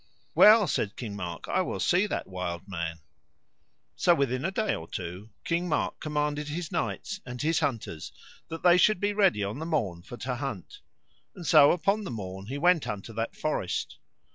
Well, said King Mark, I will see that wild man. So within a day or two King Mark commanded his knights and his hunters that they should be ready on the morn for to hunt, and so upon the morn he went unto that forest.